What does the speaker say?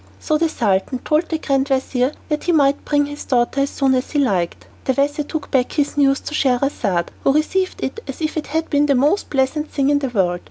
So the Sultan told the grand vizir he might bring his daughter as soon as he liked. The vizir took back this news to Scheherazade, who received it as if it had been the most pleasant thing in the world.